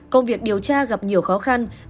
công việc điều tra gặp nhiều khó khăn